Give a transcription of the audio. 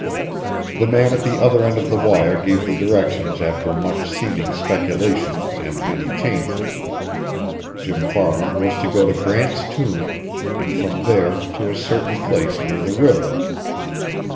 The man at the other end of the wire gave the directions after much seeming speculation and many changes. Jim Farland was to go to Grant's Tomb, and from there to a certain place near the river.